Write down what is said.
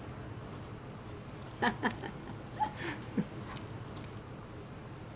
ハハハハッ。